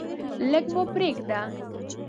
لږ مو پریږده.